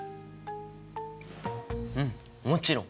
うんもちろん！